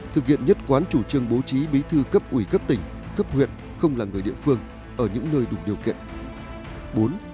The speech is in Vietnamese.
thực hiện nhất quán chủ trương bố trí bí thư cấp ủy cấp tỉnh cấp huyện không là người địa phương ở những nơi đủ điều kiện